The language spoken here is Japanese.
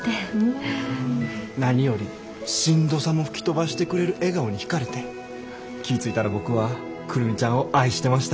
何よりしんどさも吹き飛ばしてくれる笑顔に引かれて気ぃ付いたら僕は久留美ちゃんを愛してました。